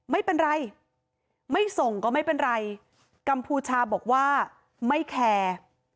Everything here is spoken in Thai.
ไม่เป็นไรไม่ส่งก็ไม่เป็นไรกัมพูชาบอกว่าไม่แคร์